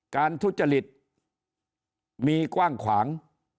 การทุจจดิตมีกว้างขวาง